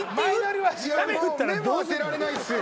もう目も当てられないっすよ